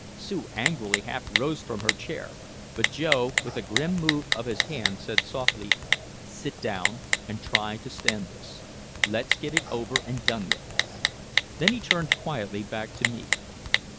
Sue angrily half rose from her chair, but Joe with a grim move of his hand said softly, "Sit down and try to stand this. Let's get it over and done with." Then he turned quietly back to me.